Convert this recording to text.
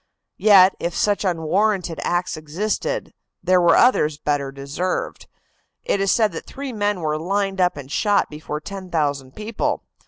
Yet, if such unwarranted acts existed, there were others better deserved. It is said that three men were lined up and shot before ten thousand people.